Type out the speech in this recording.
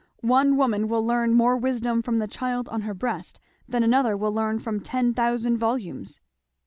One woman will learn more wisdom from the child on her breast than another will learn from ten thousand volumes."